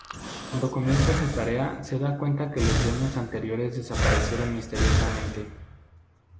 Cuándo comienza su tarea se da cuenta que los dueños anteriores desaparecieron misteriosamente.